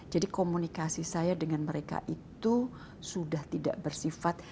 jadi komunikasi saya dengan mereka itu sudah tidak bersifat